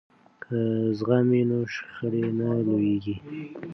که زغم وي نو شخړه نه لویږي.